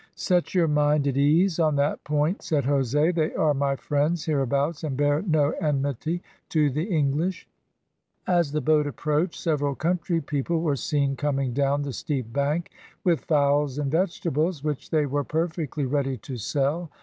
"Set your mind at ease on that point," said Jose "they are my friends hereabouts, and bear no enmity to the English." As the boat approached, several country people were seen coming down the steep bank with fowls and vegetables, which they were perfectly ready to sell.